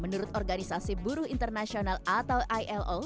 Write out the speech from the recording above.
menurut organisasi buru international atau ilo